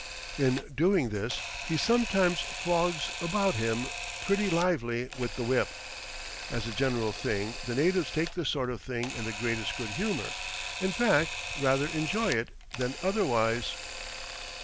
In doing this he sometimes flogs about him pretty lively with the whip. As a general thing the natives take this sort of thing in the greatest good humor; in fact, rather enjoy it than otherwise.